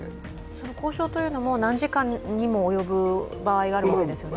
その交渉というのも何時間にも及ぶ場合があるわけですよね？